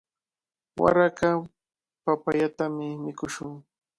Waraqa papayatami mikushun.